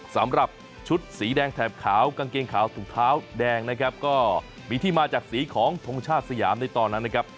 สำหรับชุดสีแดงแถบขาวกางเกงขาวถุงเท้าแดงนะครับก็มีที่มาจากสีของทงชาติสยามในตอนนั้นนะครับ